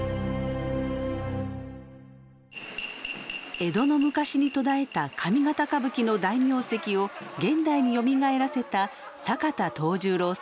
江戸の昔に途絶えた上方歌舞伎の大名跡を現代によみがえらせた坂田藤十郎さん。